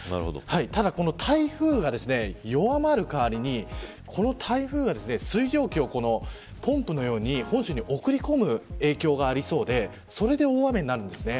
ただ、台風が弱まる代わりにこの台風が水蒸気をポンプのように本州に送り込む影響がありそうでそれで大雨になるんです。